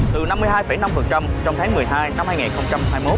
từ năm mươi hai năm trong tháng một mươi hai năm hai nghìn hai mươi một